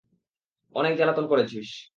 অনেক জ্বালাতন করেছিস।